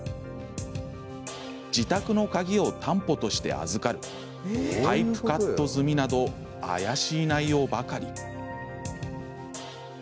「自宅の鍵を担保として預かる」「パイプカット済み」など怪しい内容ばかり。